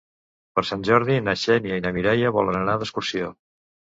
Per Sant Jordi na Xènia i na Mireia volen anar d'excursió.